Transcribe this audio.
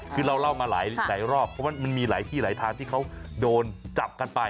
คือเราเล่ามาหลายรอบเพราะว่ามันมีหลายที่หลายทางที่เขาโดนจับกันไป